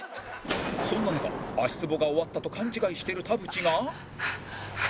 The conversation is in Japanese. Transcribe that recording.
そんな中足つぼが終わったと勘違いしてる田渕が